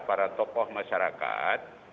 para tokoh masyarakat